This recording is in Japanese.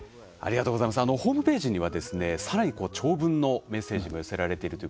ホームページには、さらに長文のメッセージも寄せられています。